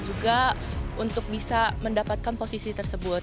juga untuk bisa mendapatkan posisi tersebut